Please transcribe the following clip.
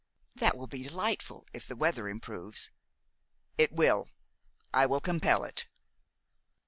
"That will be delightful, if the weather improves." "It will. I will compel it."